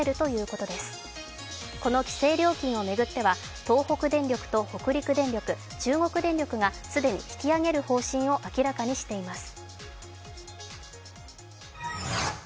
この規制料金を巡っては東北電力と北陸電力、中国電力が既に引き上げる方針を明らかにしています。